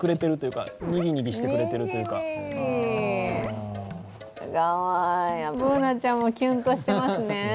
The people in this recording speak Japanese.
かわいいＢｏｏｎａちゃんもキュンとしてますね